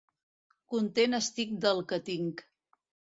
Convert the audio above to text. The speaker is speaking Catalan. Content estic del que tinc.